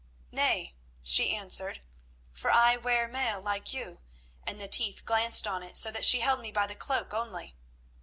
"Nay," she answered, "for I wear mail like you, and the teeth glanced on it so that she held me by the cloak only.